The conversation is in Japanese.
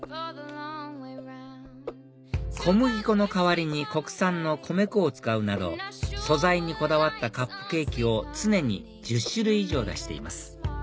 ＣＵＰＳｋａｍａｋｕｒａ小麦粉の代わりに国産の米粉を使うなど素材にこだわったカップケーキを常に１０種類以上出しています